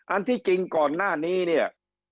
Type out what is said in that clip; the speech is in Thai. อันที่จริงก่อนหน้านี้เนี่ย